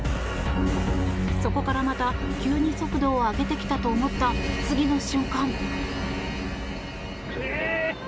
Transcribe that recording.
そこからまた急に速度を上げてきたと思った次の瞬間。